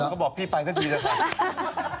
เราก็บอกพี่ปัญกันทีนะคะ